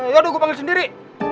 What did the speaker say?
yaudah gua panggil sendiri